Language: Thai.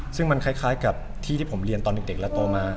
ซึ่งมันคล้ายกับที่ที่ผมเรียนตอนเด็กและโตมา